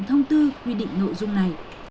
thông tư quy định nội dung này